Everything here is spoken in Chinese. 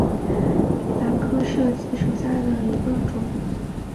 清水氏赤箭为兰科赤箭属下的一个种。